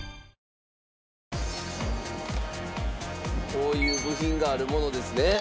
こういう部品があるものですね。